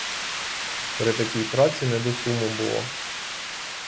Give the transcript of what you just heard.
При такій праці не до суму було.